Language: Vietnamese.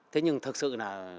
thế nhưng thật sự là